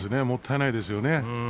もったいないですね。